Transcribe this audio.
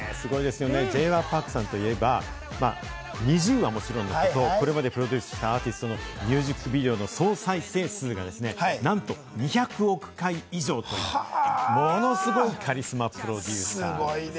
Ｊ．Ｙ．Ｐａｒｋさんといえば、ＮｉｚｉＵはもちろんのこと、これまでプロデュースしたアーティストのミュージックビデオの総再生数が、なんと２００億回以上という、ものすごいカリスマプロデューサー。